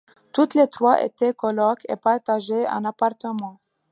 Toutes les trois étaient colocs et partageaient un appartement.